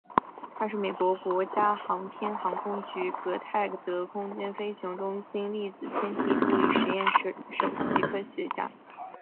他是美国国家航空航天局戈达德空间飞行中心粒子天体物理实验室首席科学家。